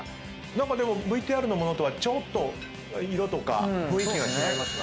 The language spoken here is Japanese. でもＶＴＲの物とはちょっと色とか雰囲気が違いますが。